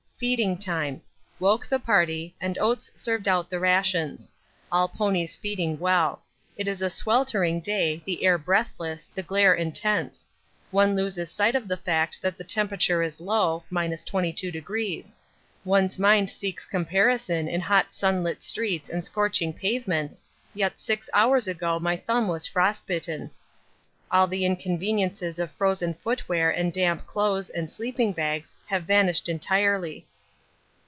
Feeding time. Woke the party, and Oates served out the rations all ponies feeding well. It is a sweltering day, the air breathless, the glare intense one loses sight of the fact that the temperature is low ( 22°) one's mind seeks comparison in hot sunlit streets and scorching pavements, yet six hours ago my thumb was frostbitten. All the inconveniences of frozen footwear and damp clothes and sleeping bags have vanished entirely.